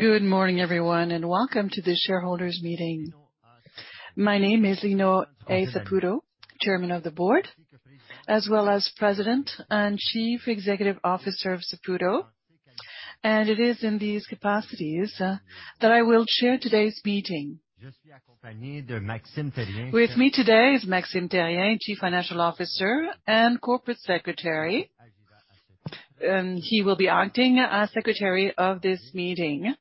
Good morning, everyone, and welcome to the shareholders' meeting. My name is Lino A. Saputo, Chair of the Board, as well as President and Chief Executive Officer of Saputo. It is in these capacities that I will chair today's meeting. With me today is Maxime Therrien, Chief Financial Officer and Secretary, and he will be acting as secretary of this meeting.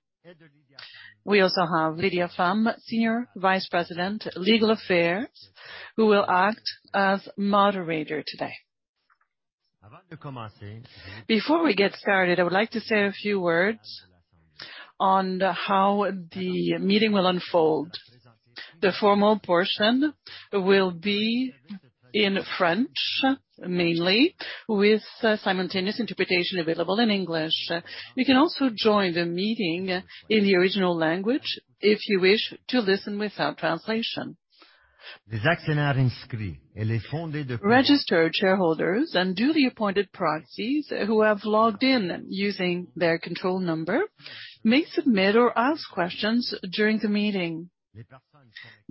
We also have Lydia Pham, Senior Vice President, Legal Affairs, who will act as moderator today. Before we get started, I would like to say a few words on how the meeting will unfold. The formal portion will be in French, mainly with simultaneous interpretation available in English. You can also join the meeting in the original language if you wish to listen without translation. Registered shareholders and duly appointed proxies who have logged in using their control number may submit or ask questions during the meeting.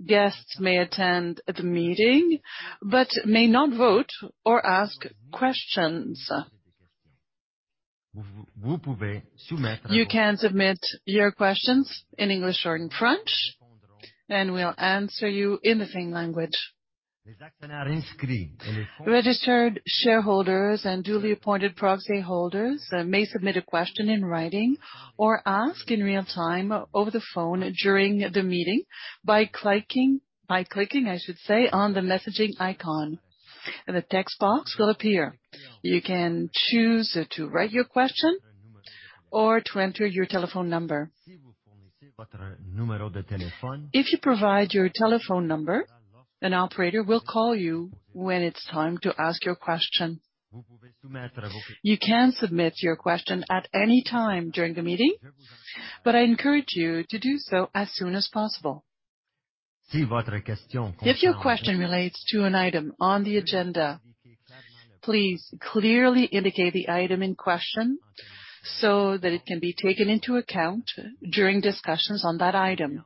Guests may attend the meeting, but may not vote or ask questions. You can submit your questions in English or in French, and we'll answer you in the same language. Registered shareholders and duly appointed proxy holders may submit a question in writing or ask in real time over the phone during the meeting by clicking, I should say, on the messaging icon. The text box will appear. You can choose to write your question or to enter your telephone number. If you provide your telephone number, an operator will call you when it's time to ask your question. You can submit your question at any time during the meeting, but I encourage you to do so as soon as possible. If your question relates to an item on the agenda, please clearly indicate the item in question so that it can be taken into account during discussions on that item.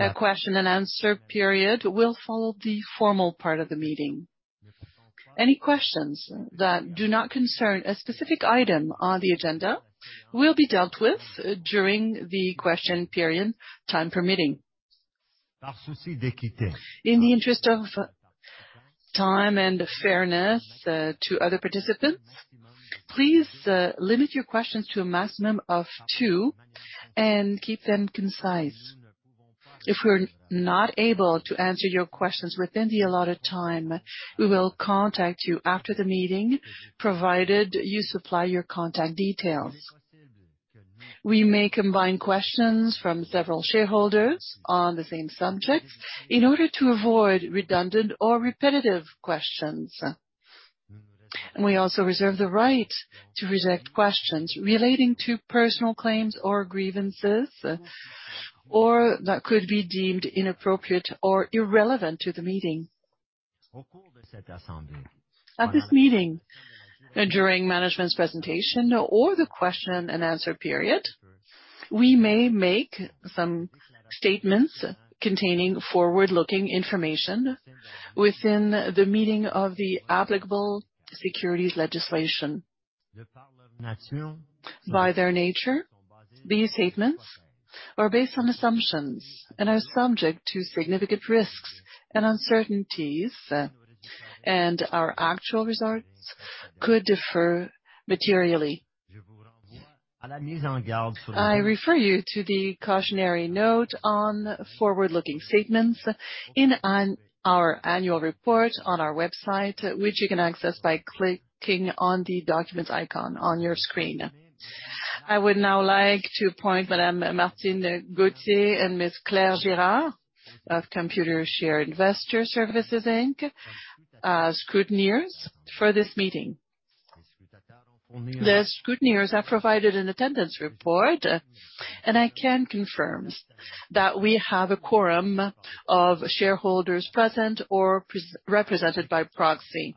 A question and answer period will follow the formal part of the meeting. Any questions that do not concern a specific item on the agenda will be dealt with during the question period, time permitting. In the interest of time and fairness, to other participants, please limit your questions to a maximum of two and keep them concise. If we're not able to answer your questions within the allotted time, we will contact you after the meeting, provided you supply your contact details. We may combine questions from several shareholders on the same subject in order to avoid redundant or repetitive questions. We also reserve the right to reject questions relating to personal claims or grievances, or that could be deemed inappropriate or irrelevant to the meeting. At this meeting, during management's presentation or the question and answer period, we may make some statements containing forward-looking information within the meaning of the applicable securities legislation. By their nature, these statements are based on assumptions and are subject to significant risks and uncertainties, and our actual results could differ materially. I refer you to the cautionary note on forward-looking statements in our annual report on our website, which you can access by clicking on the documents icon on your screen. I would now like to appoint Madame Martine Gauthier and Ms. Claire Girard of Computershare Investor Services Inc. as scrutineers for this meeting. The scrutineers have provided an attendance report, and I can confirm that we have a quorum of shareholders present or represented by proxy.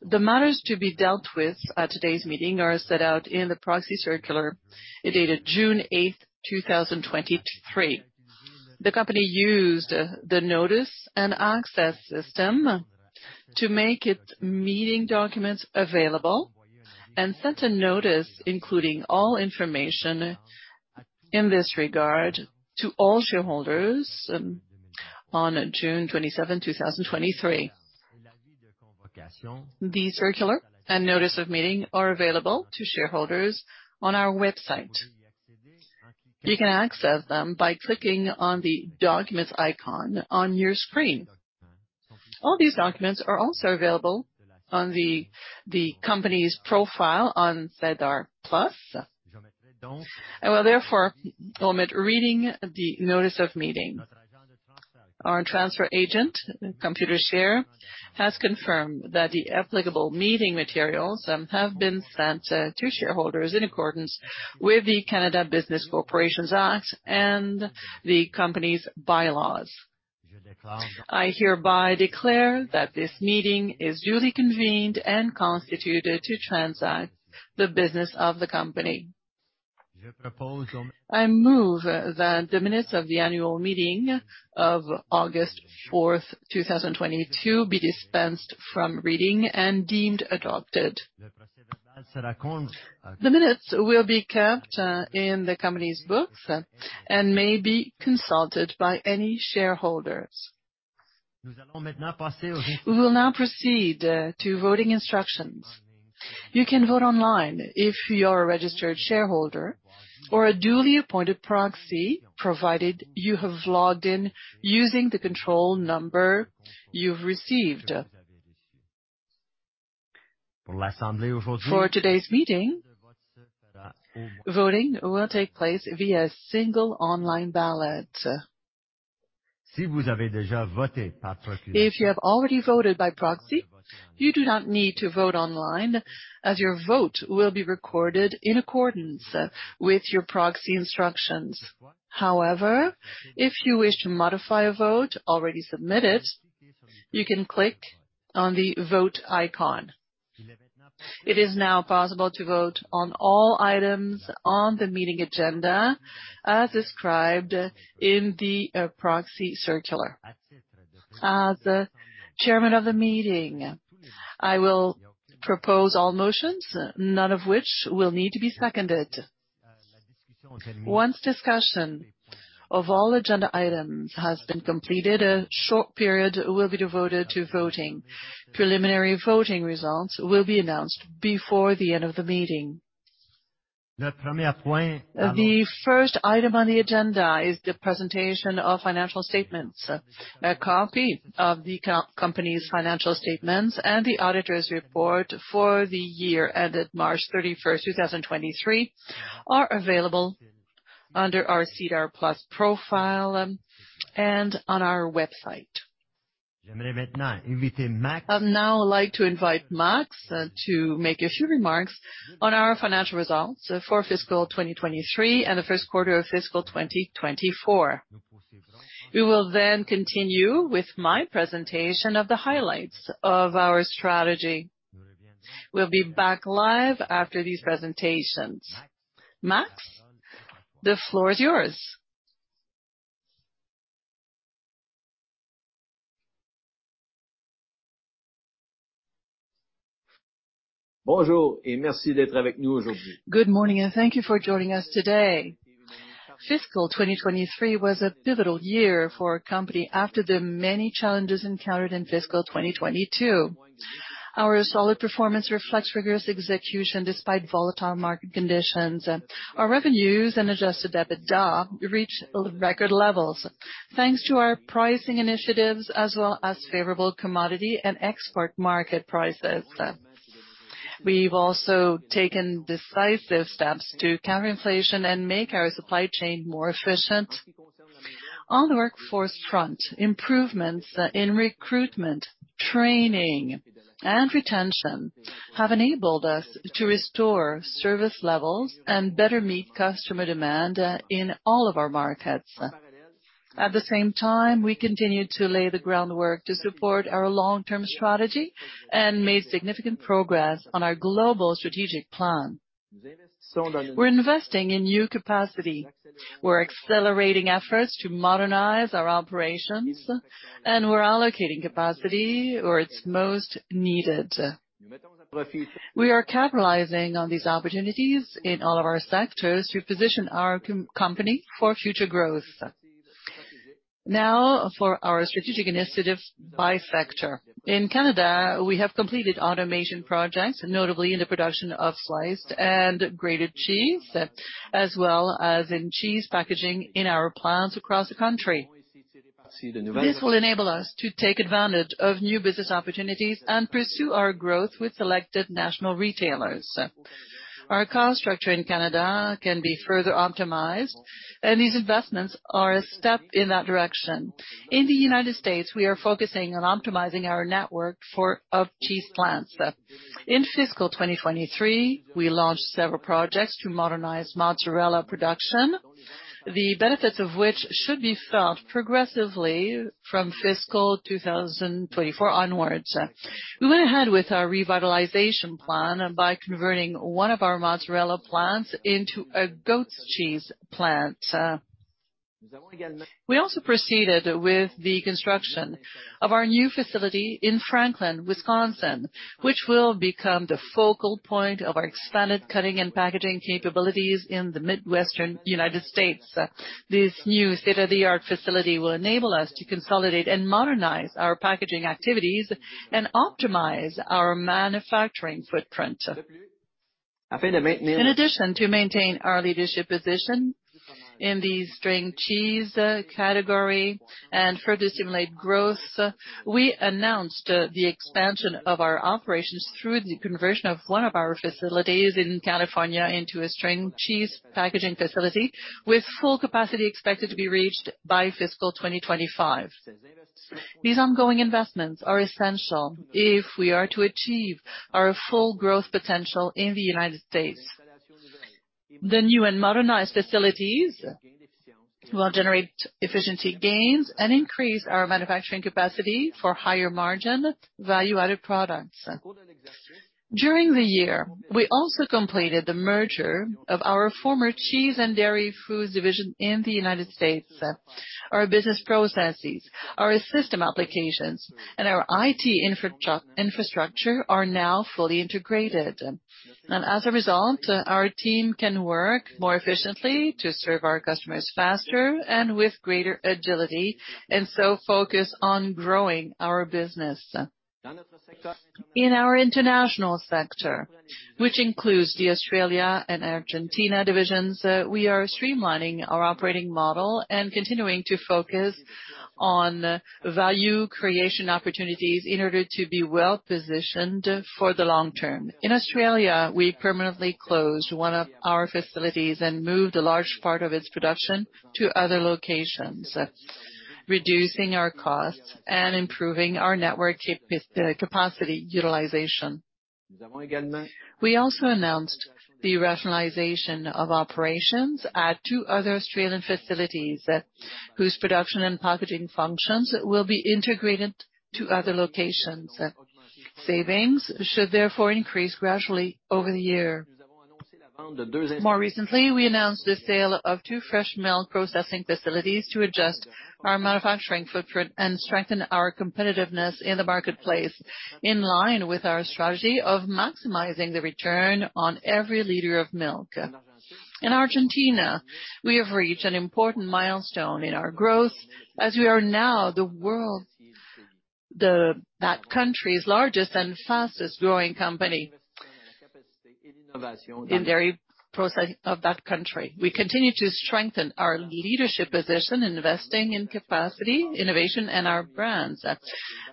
The matters to be dealt with at today's meeting are set out in the proxy circular dated June 8, 2023. The company used the notice and access system to make its meeting documents available and sent a notice, including all information in this regard to all shareholders on June 27, 2023. The circular and notice of meeting are available to shareholders on our website. You can access them by clicking on the documents icon on your screen. All these documents are also available on the company's profile on SEDAR+. I will therefore omit reading the notice of meeting. Our transfer agent, Computershare, has confirmed that the applicable meeting materials have been sent to shareholders in accordance with the Canada Business Corporations Act and the company's bylaws. I hereby declare that this meeting is duly convened and constituted to transact the business of the company. I move that the minutes of the annual meeting of August 4, 2022 be dispensed from reading and deemed adopted. The minutes will be kept in the company's books and may be consulted by any shareholders. We will now proceed to voting instructions. You can vote online if you're a registered shareholder or a duly appointed proxy, provided you have logged in using the control number you've received. For today's meeting, voting will take place via single online ballot. If you have already voted by proxy, you do not need to vote online, as your vote will be recorded in accordance with your proxy instructions. However, if you wish to modify a vote already submitted, you can click on the Vote icon. It is now possible to vote on all items on the meeting agenda, as described in the proxy circular. As chairman of the meeting, I will propose all motions, none of which will need to be seconded. Once discussion of all agenda items has been completed, a short period will be devoted to voting. Preliminary voting results will be announced before the end of the meeting. The first item on the agenda is the presentation of financial statements. A copy of the co-company's financial statements and the auditor's report for the year ended March 31st, 2023 are available under our SEDAR+ profile and on our website. I'd now like to invite Max to make a few remarks on our financial results for fiscal 2023 and the first quarter of fiscal 2024. We will continue with my presentation of the highlights of our strategy. We'll be back live after these presentations. Max, the floor is yours. Good morning, thank you for joining us today. Fiscal 2023 was a pivotal year for our company after the many challenges encountered in fiscal 2022. Our solid performance reflects rigorous execution despite volatile market conditions. Our revenues and adjusted EBITDA reached record levels, thanks to our pricing initiatives, as well as favorable commodity and export market prices. We've also taken decisive steps to counter inflation and make our supply chain more efficient. On the workforce front, improvements in recruitment, training, and retention have enabled us to restore service levels and better meet customer demand in all of our markets. At the same time, we continue to lay the groundwork to support our long-term strategy and made significant progress on our global strategic plan. We're investing in new capacity. We're accelerating efforts to modernize our operations. We're allocating capacity where it's most needed. We are capitalizing on these opportunities in all of our sectors to position our company for future growth. Now for our strategic initiatives by sector. In Canada, we have completed automation projects, notably in the production of sliced and grated cheese, as well as in cheese packaging in our plants across the country. This will enable us to take advantage of new business opportunities and pursue our growth with selected national retailers. Our cost structure in Canada can be further optimized, and these investments are a step in that direction. In the United States, we are focusing on optimizing our network of cheese plants. In fiscal 2023, we launched several projects to modernize mozzarella production, the benefits of which should be felt progressively from fiscal 2024 onwards. We went ahead with our revitalization plan by converting one of our mozzarella plants into a goat's cheese plant. We also proceeded with the construction of our new facility in Franklin, Wisconsin, which will become the focal point of our expanded cutting and packaging capabilities in the Midwestern United States. This new state-of-the-art facility will enable us to consolidate and modernize our packaging activities and optimize our manufacturing footprint. In addition, to maintain our leadership position in the string cheese category and further stimulate growth, we announced the expansion of our operations through the conversion of one of our facilities in California into a string cheese packaging facility, with full capacity expected to be reached by fiscal 2025. These ongoing investments are essential if we are to achieve our full growth potential in the U.S. The new and modernized facilities will generate efficiency gains and increase our manufacturing capacity for higher margin value-added products. During the year, we also completed the merger of our former cheese and dairy foods division in the U.S. Our business processes, our system applications, and our IT infrastructure are now fully integrated. As a result, our team can work more efficiently to serve our customers faster and with greater agility, and so focused on growing our business. In our international sector, which includes the Australia and Argentina divisions, we are streamlining our operating model and continuing to focus on value creation opportunities in order to be well-positioned for the long term. In Australia, we permanently closed one of our facilities and moved a large part of its production to other locations, reducing our costs and improving our network capacity utilization. We also announced the rationalization of operations at two other Australian facilities whose production and packaging functions will be integrated to other locations. Savings should therefore increase gradually over the year. More recently, we announced the sale of two fresh milk processing facilities to adjust our manufacturing footprint and strengthen our competitiveness in the marketplace, in line with our strategy of maximizing the return on every liter of milk. In Argentina, we have reached an important milestone in our growth as we are now that country's largest and fastest-growing company in dairy process of that country. We continue to strengthen our leadership position, investing in capacity, innovation and our brands.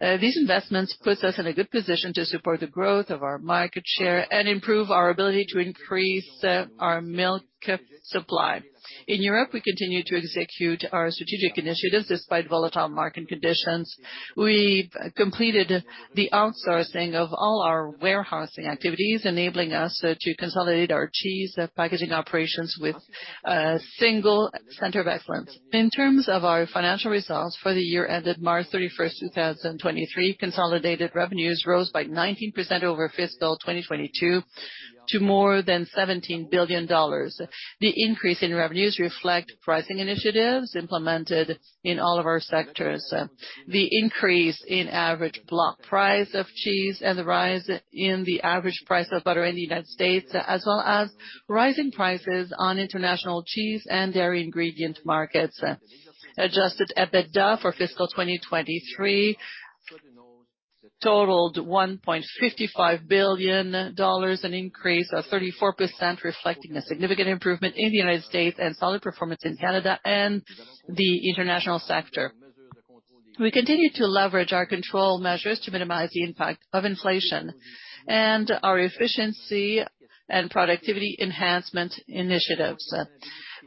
These investments put us in a good position to support the growth of our market share and improve our ability to increase our milk supply. In Europe, we continue to execute our strategic initiatives despite volatile market conditions. We've completed the outsourcing of all our warehousing activities, enabling us to consolidate our cheese packaging operations with a single center of excellence. In terms of our financial results for the year ended March 31st, 2023, consolidated revenues rose by 19% over fiscal 2022 to more than 17 billion dollars. The increase in revenues reflect pricing initiatives implemented in all of our sectors, the increase in average block price of cheese and the rise in the average price of butter in the U.S., as well as rising prices on international cheese and dairy ingredient markets. Adjusted EBITDA for fiscal 2023 totaled 1.55 billion dollars, an increase of 34%, reflecting a significant improvement in the U.S. and solid performance in Canada and the international sector. We continue to leverage our control measures to minimize the impact of inflation and our efficiency and productivity enhancement initiatives.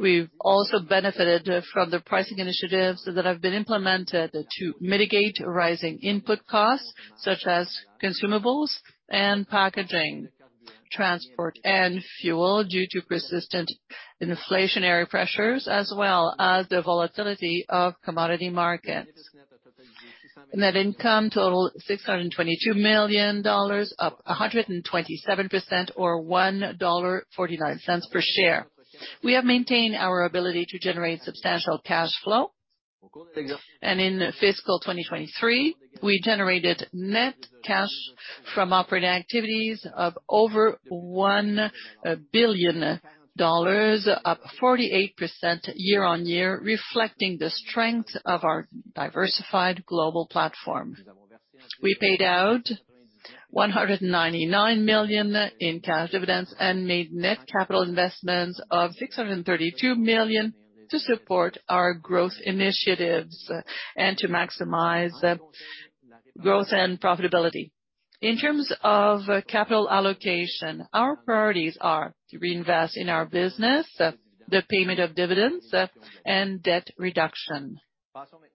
We've also benefited from the pricing initiatives that have been implemented to mitigate rising input costs such as consumables and packaging, transport and fuel due to persistent inflationary pressures, as well as the volatility of commodity markets. Net income totaled 622 million dollars, up 127% or 1.49 dollar per share. We have maintained our ability to generate substantial cash flow. In fiscal 2023, we generated net cash from operating activities of over 1 billion dollars, up 48% year-over-year, reflecting the strength of our diversified global platform. We paid out 199 million in cash dividends and made net capital investments of 632 million to support our growth initiatives and to maximize growth and profitability. In terms of capital allocation, our priorities are to reinvest in our business, the payment of dividends and debt reduction.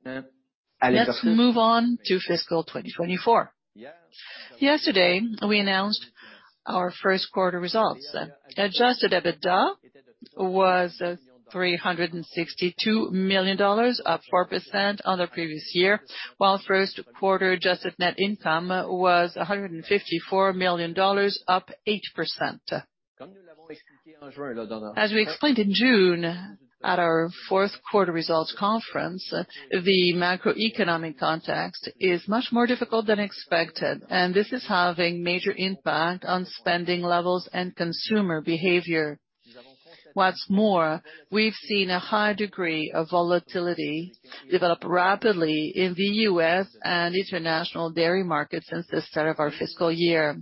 Let's move on to fiscal 2024. Yesterday, we announced our first quarter results. Adjusted EBITDA was 362 million dollars, up 4% on the previous year, while first quarter adjusted net income was 154 million dollars, up 8%. As we explained in June at our fourth quarter results conference, the macroeconomic context is much more difficult than expected, and this is having major impact on spending levels and consumer behavior. What's more, we've seen a high degree of volatility develop rapidly in the U.S. and international dairy markets since the start of our fiscal year.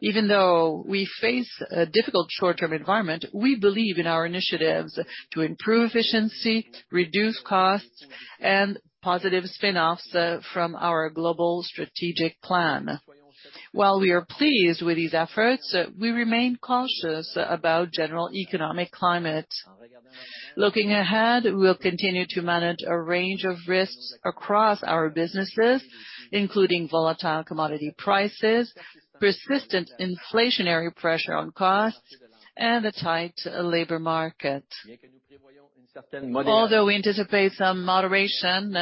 Even though we face a difficult short-term environment, we believe in our initiatives to improve efficiency, reduce costs, and positive spin-offs from our global strategic plan. While we are pleased with these efforts, we remain cautious about general economic climate. Looking ahead, we'll continue to manage a range of risks across our businesses, including volatile commodity prices, persistent inflationary pressure on costs, and a tight labor market. Although we anticipate some moderation,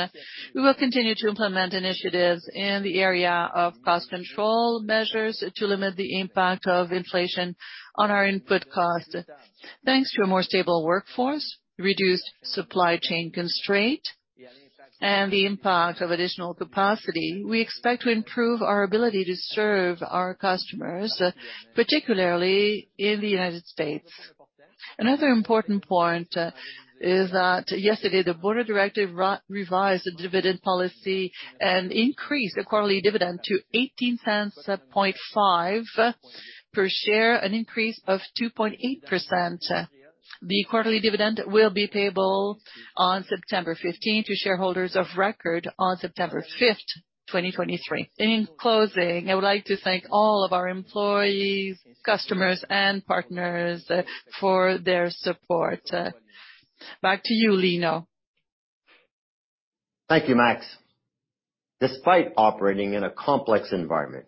we will continue to implement initiatives in the area of cost control measures to limit the impact of inflation on our input cost. Thanks to a more stable workforce, reduced supply chain constraint, and the impact of additional capacity, we expect to improve our ability to serve our customers, particularly in the U.S. Another important point is that yesterday, the Board of Directors revised the dividend policy and increased the quarterly dividend to 0.185 per share, an increase of 2.8%. The quarterly dividend will be payable on September 15th to shareholders of record on September 5th, 2023. In closing, I would like to thank all of our employees, customers, and partners for their support. Back to you, Lino. Thank you, Max. Despite operating in a complex environment,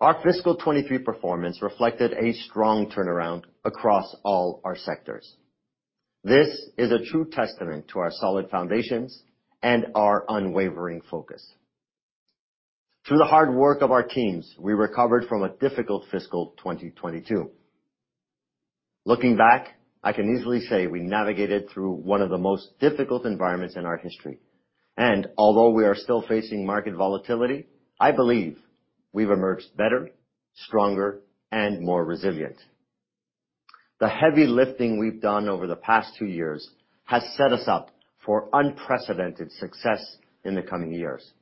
our fiscal 2023 performance reflected a strong turnaround across all our sectors. This is a true testament to our solid foundations and our unwavering focus. Through the hard work of our teams, we recovered from a difficult fiscal 2022. Looking back, I can easily say we navigated through one of the most difficult environments in our history. Although we are still facing market volatility, I believe we've emerged better, stronger, and more resilient. The heavy lifting we've done over the past two years has set us up for unprecedented success in the coming years.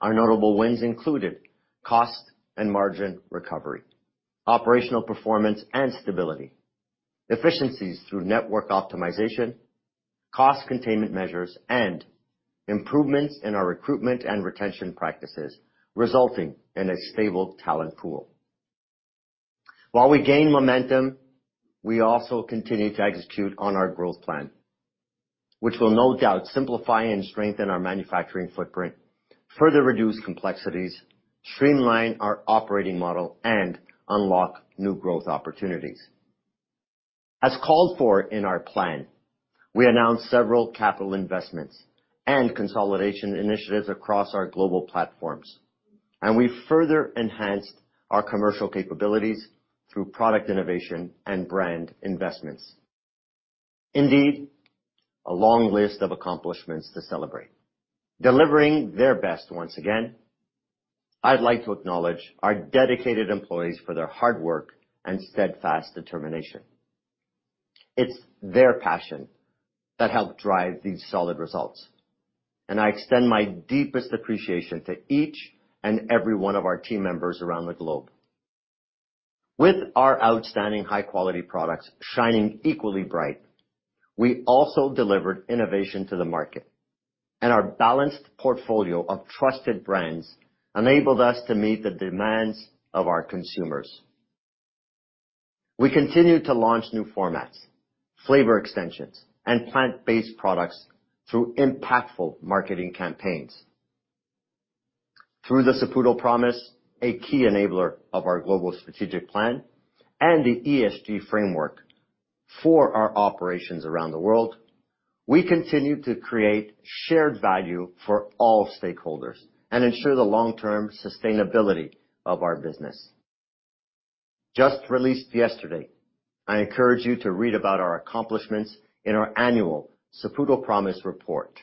Our notable wins included cost and margin recovery, operational performance and stability, efficiencies through network optimization, cost containment measures, and improvements in our recruitment and retention practices, resulting in a stable talent pool. While we gain momentum, we also continue to execute on our growth plan, which will no doubt simplify and strengthen our manufacturing footprint, further reduce complexities, streamline our operating model, and unlock new growth opportunities. As called for in our plan, we announced several capital investments and consolidation initiatives across our global platforms, and we further enhanced our commercial capabilities through product innovation and brand investments. Indeed, a long list of accomplishments to celebrate. Delivering their best once again, I'd like to acknowledge our dedicated employees for their hard work and steadfast determination. It's their passion that helped drive these solid results, and I extend my deepest appreciation to each and every one of our team members around the globe. With our outstanding high-quality products shining equally bright, we also delivered innovation to the market, and our balanced portfolio of trusted brands enabled us to meet the demands of our consumers. We continued to launch new formats, flavor extensions, and plant-based products through impactful marketing campaigns. Through the Saputo Promise, a key enabler of our global strategic plan and the ESG framework for our operations around the world, we continue to create shared value for all stakeholders and ensure the long-term sustainability of our business. Just released yesterday, I encourage you to read about our accomplishments in our annual Saputo Promise report.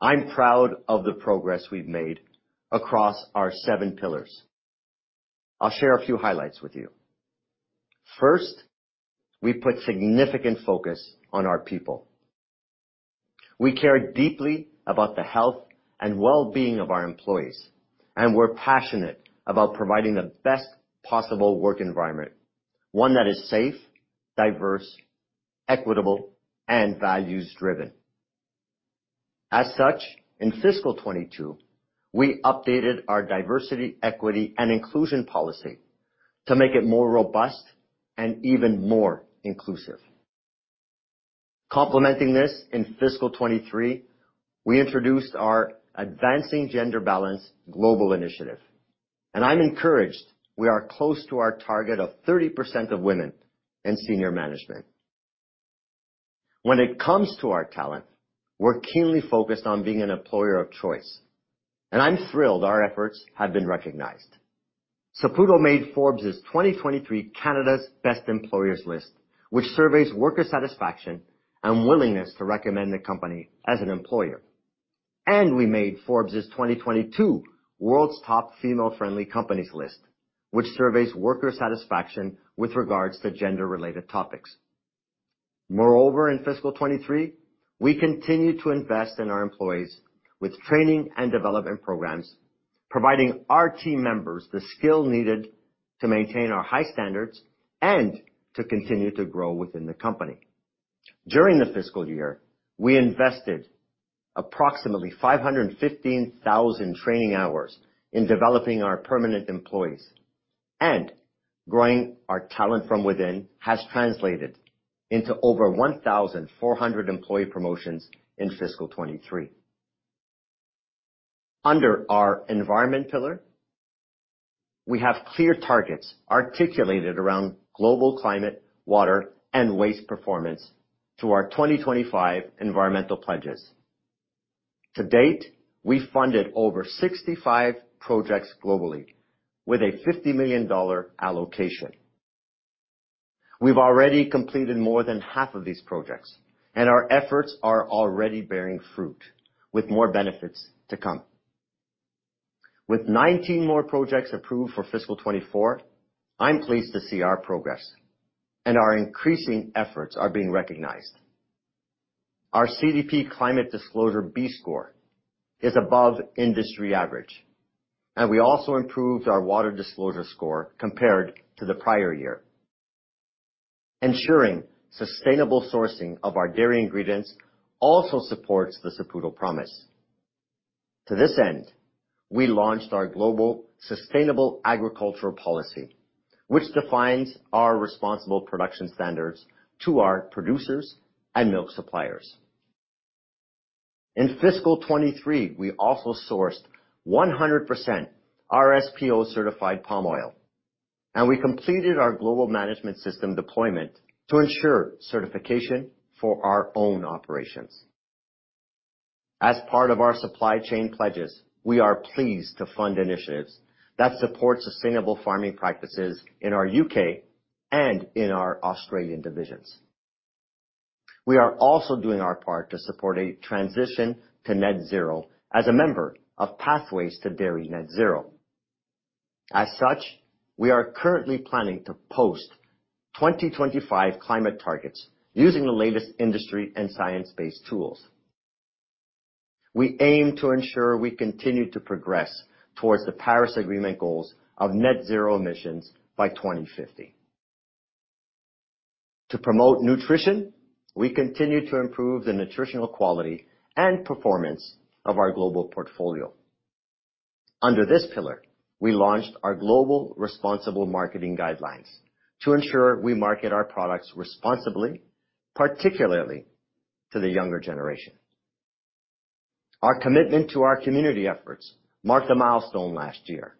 I'm proud of the progress we've made across our seven pillars. I'll share a few highlights with you. First, we put significant focus on our people. We care deeply about the health and well-being of our employees, and we're passionate about providing the best possible work environment, one that is safe, diverse, equitable, and values-driven. As such, in fiscal 2022, we updated our diversity, equity, and inclusion policy to make it more robust and even more inclusive. Complementing this, in fiscal 2023, we introduced our Advancing Gender Balance global initiative, and I'm encouraged we are close to our target of 30% of women in senior management. When it comes to our talent, we're keenly focused on being an employer of choice, and I'm thrilled our efforts have been recognized. Saputo made Forbes' 2023 Canada's Best Employers list, which surveys worker satisfaction and willingness to recommend the company as an employer. We made Forbes' 2022 World's Top Female-Friendly Companies list, which surveys worker satisfaction with regards to gender-related topics. Moreover, in fiscal 2023, we continued to invest in our employees with training and development programs, providing our team members the skills needed to maintain our high standards and to continue to grow within the company. During the fiscal year, we invested approximately 515,000 training hours in developing our permanent employees, and growing our talent from within has translated into over 1,400 employee promotions in fiscal 2023. Under our environment pillar, we have clear targets articulated around global climate, water, and waste performance to our 2025 environmental pledges. To date, we funded over 65 projects globally with a 50 million dollar allocation. We've already completed more than half of these projects, and our efforts are already bearing fruit, with more benefits to come. With 19 more projects approved for fiscal 2024, I'm pleased to see our progress and our increasing efforts are being recognized. Our CDP climate disclosure B score is above industry average, and we also improved our water disclosure score compared to the prior year. Ensuring sustainable sourcing of our dairy ingredients also supports the Saputo Promise. To this end, we launched our global sustainable agricultural policy, which defines our responsible production standards to our producers and milk suppliers. In fiscal 2023, we also sourced 100% RSPO-certified palm oil, and we completed our global management system deployment to ensure certification for our own operations. As part of our supply chain pledges, we are pleased to fund initiatives that support sustainable farming practices in our U.K. and in our Australian divisions. We are also doing our part to support a transition to net zero as a member of Pathways to Dairy Net Zero. As such, we are currently planning to post 2025 climate targets using the latest industry and science-based tools. We aim to ensure we continue to progress towards the Paris Agreement goals of net zero emissions by 2050. To promote nutrition, we continue to improve the nutritional quality and performance of our global portfolio. Under this pillar, we launched our global responsible marketing guidelines to ensure we market our products responsibly, particularly to the younger generation. Our commitment to our community efforts marked a milestone last year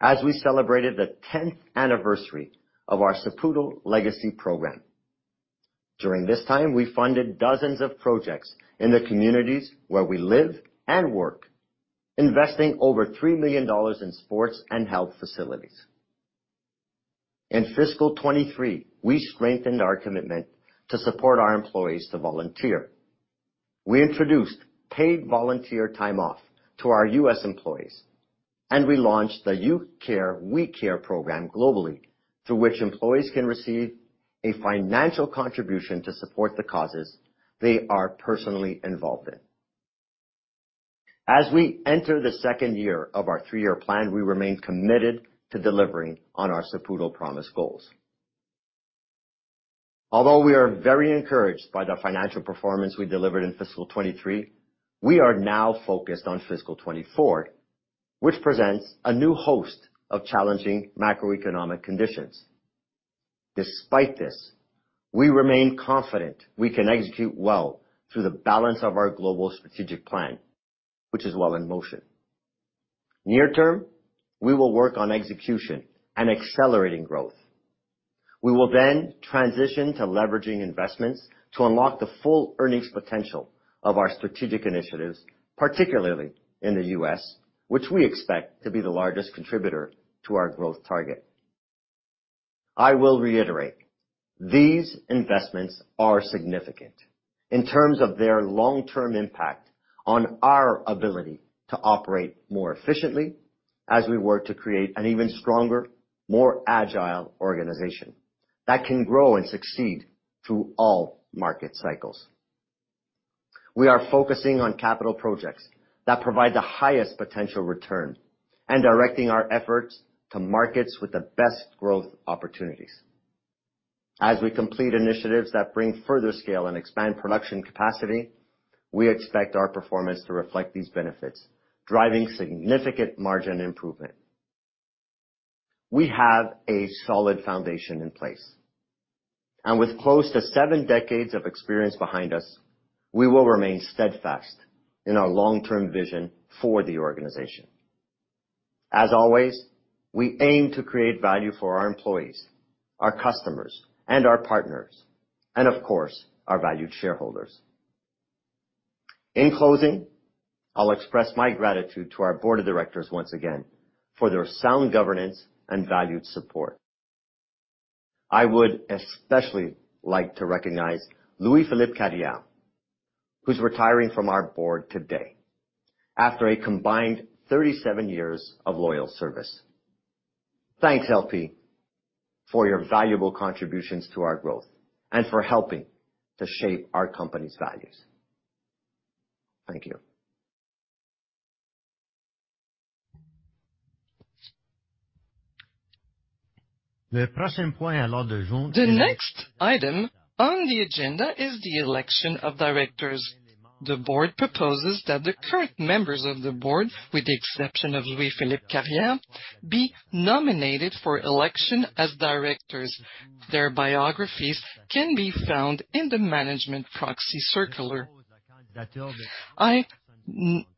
as we celebrated the 10th anniversary of our Saputo Legacy Program. During this time, we funded dozens of projects in the communities where we live and work, investing over 3 million dollars in sports and health facilities. In fiscal 2023, we strengthened our commitment to support our employees to volunteer. We introduced paid volunteer time off to our U.S. employees. We launched the You Care We Care program globally, through which employees can receive a financial contribution to support the causes they are personally involved in. As we enter the second year of our three-year plan, we remain committed to delivering on our Saputo Promise goals. Although we are very encouraged by the financial performance we delivered in fiscal 2023, we are now focused on fiscal 2024, which presents a new host of challenging macroeconomic conditions. Despite this, we remain confident we can execute well through the balance of our global strategic plan, which is well in motion. Near term, we will work on execution and accelerating growth. We will then transition to leveraging investments to unlock the full earnings potential of our strategic initiatives, particularly in the U.S., which we expect to be the largest contributor to our growth target. I will reiterate, these investments are significant in terms of their long-term impact on our ability to operate more efficiently as we work to create an even stronger, more agile organization that can grow and succeed through all market cycles. We are focusing on capital projects that provide the highest potential return and directing our efforts to markets with the best growth opportunities. As we complete initiatives that bring further scale and expand production capacity, we expect our performance to reflect these benefits, driving significant margin improvement. We have a solid foundation in place, and with close to seven decades of experience behind us, we will remain steadfast in our long-term vision for the organization. As always, we aim to create value for our employees, our customers, and our partners, and of course, our valued shareholders. In closing, I'll express my gratitude to our board of directors once again for their sound governance and valued support. I would especially like to recognize Louis-Philippe Carrière, who's retiring from our board today after a combined 37 years of loyal service. Thanks, LP, for your valuable contributions to our growth and for helping to shape our company's values. Thank you. The next item on the agenda is the election of directors. The board proposes that the current members of the board, with the exception of Louis-Philippe Carrière be nominated for election as directors. Their biographies can be found in the management proxy circular. I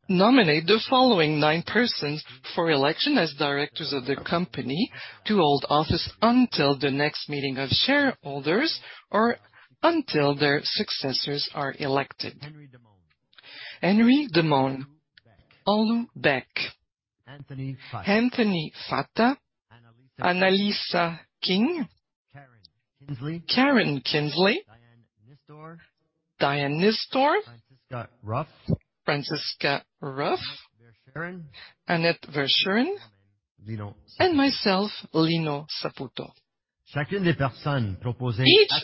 nominate the following nine persons for election as directors of the company to hold office until the next meeting of shareholders or until their successors are elected. Henry E. Demone, Olu Beck, Anthony Fata, Annalisa King, Karen Kinsley, Diane Nyisztor, Franziska Ruf, Annette Verschuren, and myself, Lino Saputo. Each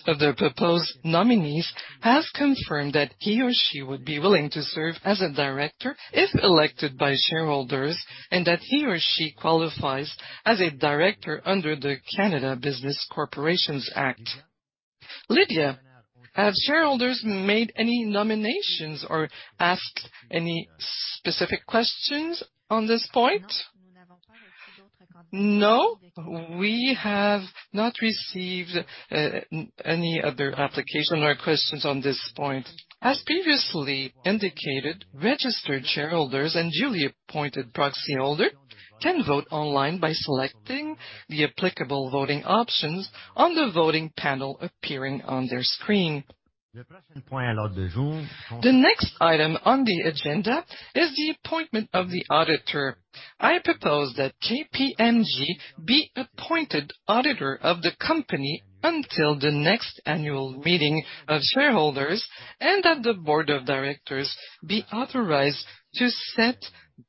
of the proposed nominees has confirmed that he or she would be willing to serve as a director if elected by shareholders, and that he or she qualifies as a director under the Canada Business Corporations Act. Lydia, have shareholders made any nominations or asked any specific questions on this point? No, we have not received any other application or questions on this point. As previously indicated, registered shareholders and duly appointed proxy holder can vote online by selecting the applicable voting options on the voting panel appearing on their screen. The next item on the agenda is the appointment of the auditor. I propose that KPMG be appointed auditor of the company until the next annual meeting of shareholders, and that the board of directors be authorized to set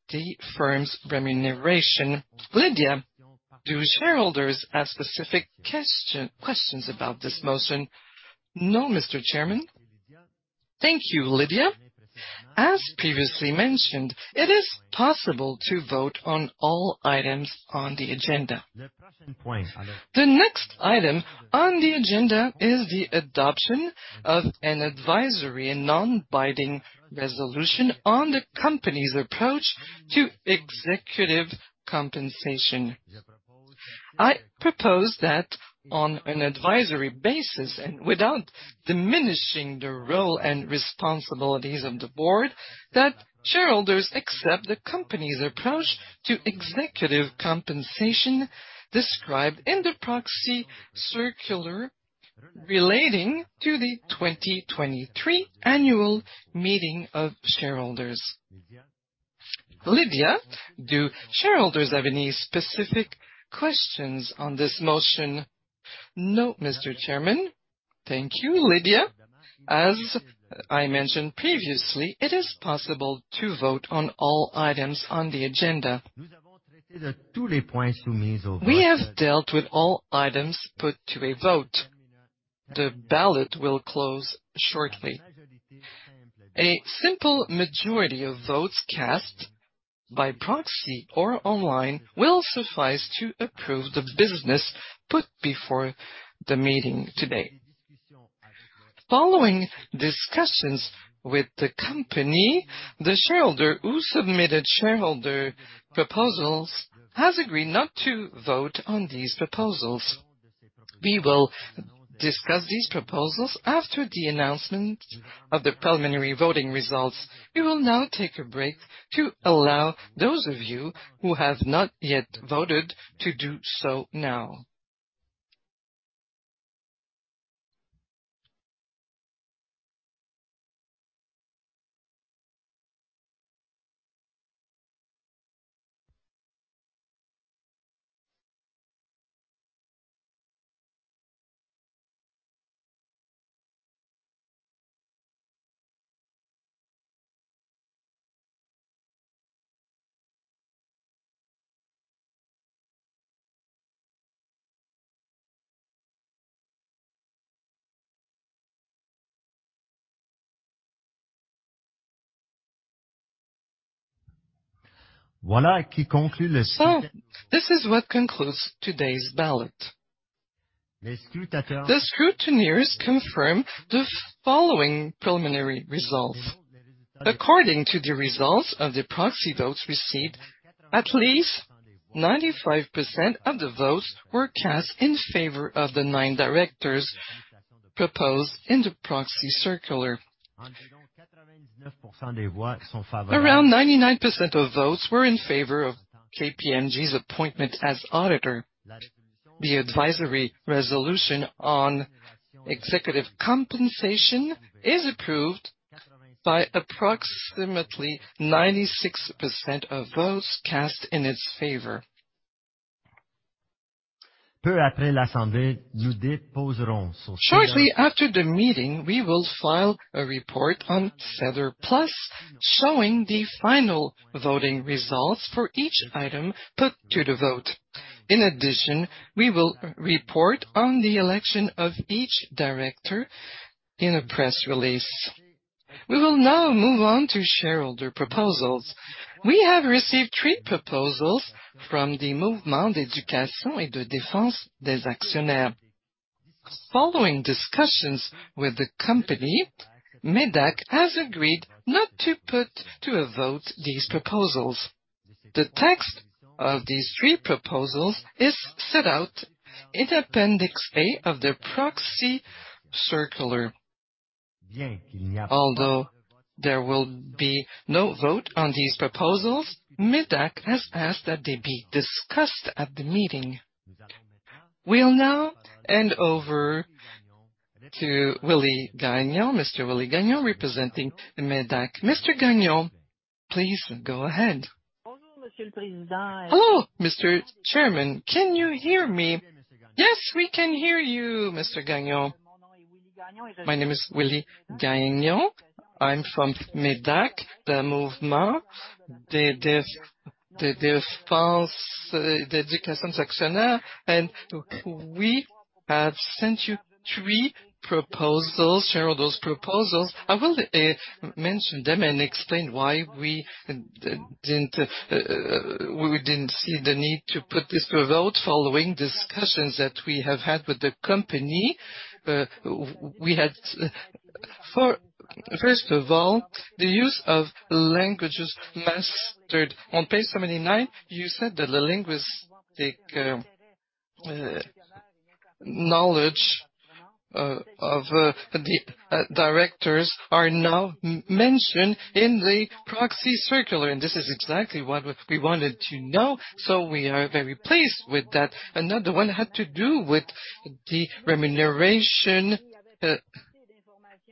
the firm's remuneration. Lydia, do shareholders have specific questions about this motion? No, Mr. Chairman. Thank you, Lydia. As previously mentioned, it is possible to vote on all items on the agenda. The next item on the agenda is the adoption of an advisory and non-binding resolution on the company's approach to executive compensation. I propose that on an advisory basis and without diminishing the role and responsibilities of the board, that shareholders accept the company's approach to executive compensation described in the proxy circular relating to the 2023 annual meeting of shareholders. Lydia, do shareholders have any specific questions on this motion? No, Mr. Chairman. Thank you, Lydia. As I mentioned previously, it is possible to vote on all items on the agenda. We have dealt with all items put to a vote. The ballot will close shortly. A simple majority of votes cast by proxy or online will suffice to approve the business put before the meeting today. Following discussions with the company, the shareholder who submitted shareholder proposals has agreed not to vote on these proposals. We will discuss these proposals after the announcement of the preliminary voting results. We will now take a break to allow those of you who have not yet voted to do so now. This is what concludes today's ballot. The scrutineers confirm the following preliminary results. According to the results of the proxy votes received, at least 95% of the votes were cast in favor of the nine directors proposed in the proxy circular. Around 99% of votes were in favor of KPMG's appointment as auditor. The advisory resolution on executive compensation is approved by approximately 96% of votes cast in its favor. Shortly after the meeting, we will file a report on SEDAR+ showing the final voting results for each item put to the vote. In addition, we will report on the election of each director in a press release. We will now move on to shareholder proposals. We have received three proposals from the Mouvement d'éducation et de défense des actionnaires. Following discussions with the company, MÉDAC has agreed not to put to a vote these proposals. The text of these three proposals is set out in Appendix A of the proxy circular. Although there will be no vote on these proposals, MÉDAC has asked that they be discussed at the meeting. We'll now hand over to Willie Gagnon, Mr. Willie Gagnon, representing the MÉDAC. Mr. Gagnon, please go ahead. Hello, Mr. Chairman. Can you hear me? Yes, we can hear you, Mr. Gagnon. My name is Willie Gagnon. I'm from MÉDAC, the Mouvement d'éducation et de défense des actionnaires, and we have sent you three proposals, shareholders proposals. I will mention them and explain why we didn't see the need to put this to a vote following discussions that we have had with the company. First of all, the use of languages mastered. On page 79, you said that the linguistic knowledge of the directors are now mentioned in the proxy circular, and this is exactly what we wanted to know, so we are very pleased with that. Another one had to do with the remuneration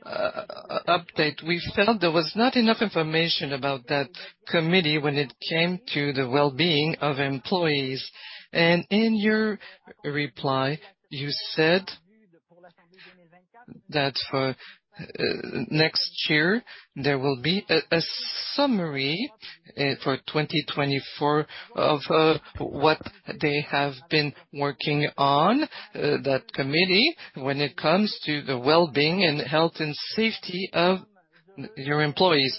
update. We felt there was not enough information about that committee when it came to the well-being of employees. In your reply, you said that for next year, there will be a summary for 2024 of what they have been working on, that committee, when it comes to the well-being and health and safety of your employees.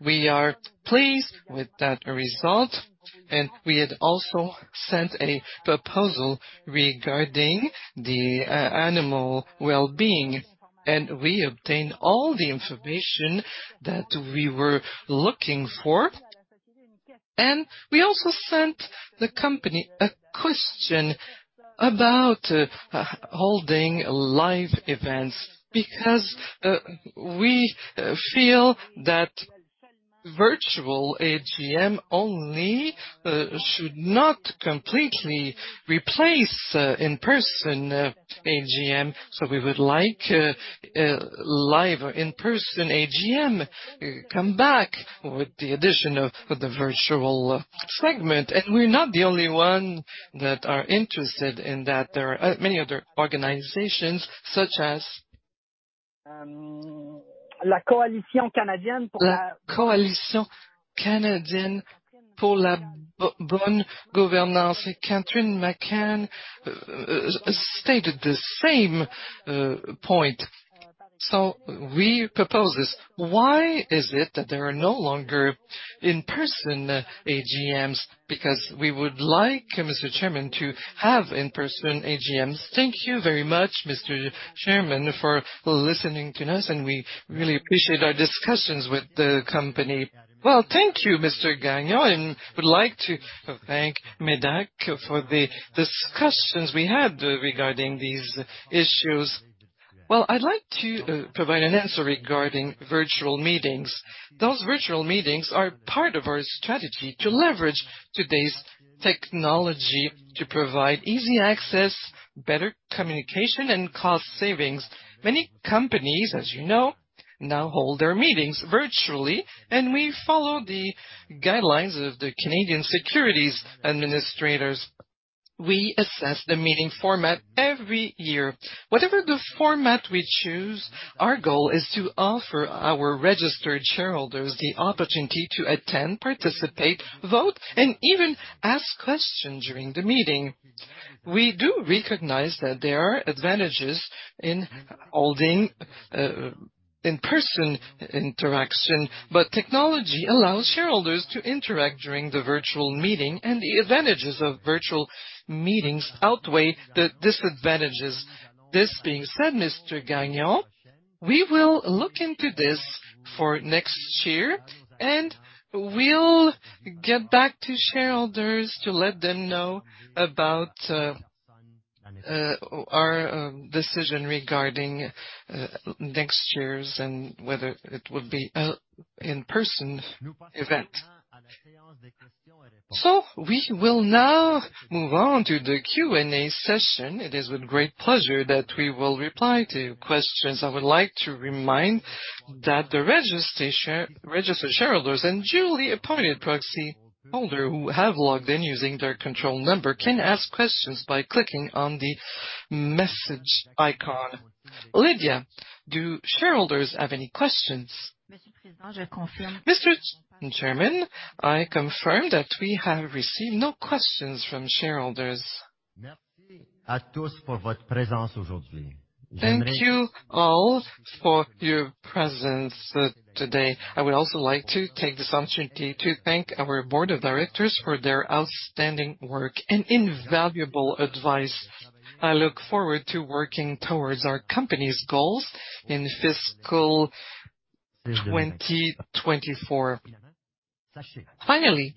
We are pleased with that result, and we had also sent a proposal regarding the animal well-being, and we obtained all the information that we were looking for. We also sent the company a question about holding live events because we feel that virtual AGM only should not completely replace in-person AGM. We would like live or in-person AGM come back with the addition of the virtual segment. We're not the only one that are interested in that. There are many other organizations such as Coalition Canadienne pour une Bonne Gouvernance. Catherine McCall stated the same point. We propose this. Why is it that there are no longer in-person AGMs? We would like, Mr. Chairman, to have in-person AGMs. Thank you very much, Mr. Chairman, for listening to us, and we really appreciate our discussions with the company. Well, thank you, Mr. Gagnon, and would like to thank MÉDAC for the discussions we had regarding these issues. Well, I'd like to provide an answer regarding virtual meetings. Those virtual meetings are part of our strategy to leverage today's technology to provide easy access, better communication, and cost savings. Many companies, as you know, now hold their meetings virtually, and we follow the guidelines of the Canadian Securities Administrators. We assess the meeting format every year. Whatever the format we choose, our goal is to offer our registered shareholders the opportunity to attend, participate, vote, and even ask questions during the meeting. We do recognize that there are advantages in holding in-person interaction, but technology allows shareholders to interact during the virtual meeting, and the advantages of virtual meetings outweigh the disadvantages. This being said, Mr. Gagnon, we will look into this for next year, and we'll get back to shareholders to let them know about our decision regarding next year's and whether it would be a in-person event. We will now move on to the Q&A session. It is with great pleasure that we will reply to questions. I would like to remind that the registered shareholders and duly appointed proxy holder who have logged in using their control number can ask questions by clicking on the message icon. Lydia, do shareholders have any questions? Mr. Chairman, I confirm that we have received no questions from shareholders. Thank you all for your presence today. I would also like to take this opportunity to thank our board of directors for their outstanding work and invaluable advice. I look forward to working towards our company's goals in fiscal 2024. Finally,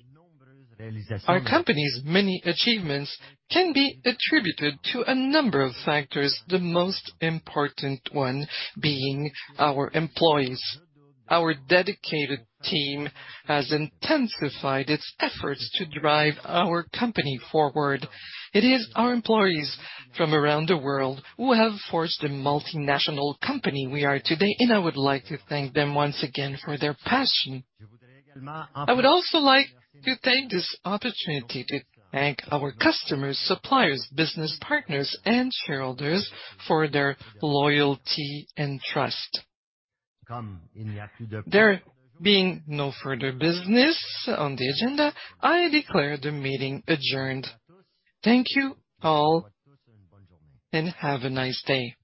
our company's many achievements can be attributed to a number of factors, the most important one being our employees. Our dedicated team has intensified its efforts to drive our company forward. It is our employees from around the world who have forged the multinational company we are today, and I would like to thank them once again for their passion. I would also like to take this opportunity to thank our customers, suppliers, business partners, and shareholders for their loyalty and trust. There being no further business on the agenda, I declare the meeting adjourned. Thank you all, and have a nice day.